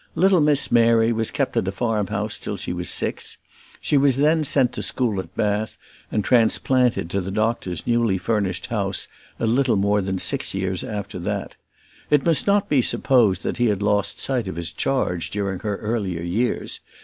Little Miss Mary was kept at a farm house till she was six; she was then sent to school at Bath, and transplanted to the doctor's newly furnished house a little more than six years after that. It must not be supposed that he had lost sight of his charge during her earlier years.